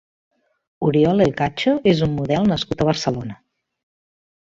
Oriol Elcacho és un model nascut a Barcelona.